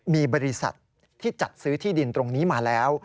มีบริษัทที่จัดซื้อที่ดินตรงนี้มาแล้ว